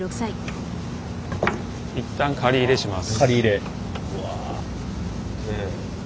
一旦仮入れします。